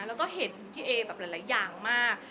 แล้วก็เห็นพี่เอแบบหลายอย่างมาก